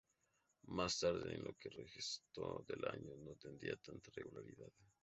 Más tarde, en lo que restó del año no tendría tanta regularidad.